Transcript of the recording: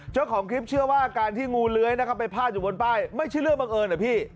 เจ้าของคลิปเชื่อว่าการที่งูเลื้อยนะครับไปพาดอยู่บนป้ายไม่ใช่เรื่องบังเอิญเหรอพี่